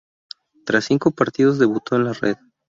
Tras cinco partidos debutó en la red.